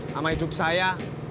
sama hidup saya